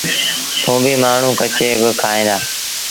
کونڀيٚ مآڻهوٚݩ ڪچيٚ با کائيٚݩ دآ۔